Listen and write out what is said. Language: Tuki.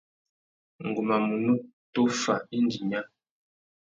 Ngu má munú tôffa indi nya.